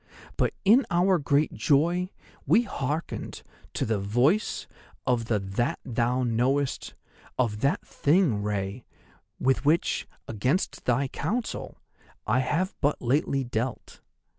But in our great joy we hearkened to the Voice of That thou knowest, of that Thing, Rei, with which, against thy counsel, I have but lately dealt.